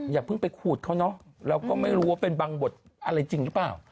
อย่าเพิ่งไปขูดเขาเนอะเราก็ไม่รู้ว่าเป็นบางบทอะไรจริงหรือเปล่า